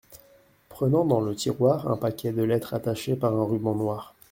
Prenant dans le tiroir un paquet de lettres attachées par un ruban noir.